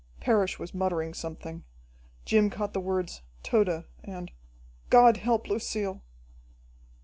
Parrish was muttering something. Jim caught the words "Tode," and "God help Lucille!"